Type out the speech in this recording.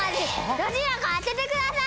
どちらか当ててください！